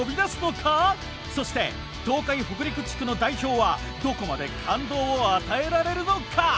そして東海北陸地区の代表はどこまで感動を与えられるのか？